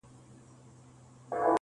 مګر اوس نوی دور نوی فکر نوی افغان-